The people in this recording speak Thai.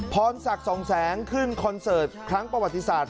พรศักดิ์สองแสงขึ้นคอนเสิร์ตครั้งประวัติศาสตร์